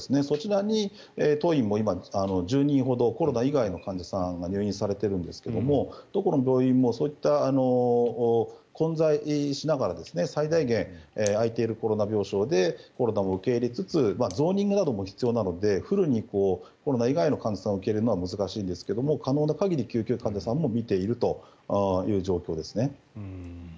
そちらに当院も今、１０人ほどコロナ以外の患者さんが入院されてるんですがどこの病院もそういった混在しながら最大限、空いているコロナ病床でコロナを受け入れつつゾーニングなども必要なのでフルにコロナ以外の患者さんを受け入れるのは難しいですが可能な限り、救急患者さんも診ているという状況です。